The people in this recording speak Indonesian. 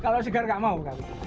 kalau segar gak mau